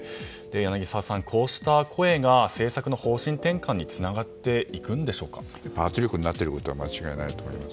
柳澤さん、こうした声が政策の方針転換に圧力になっていることは間違いないと思います。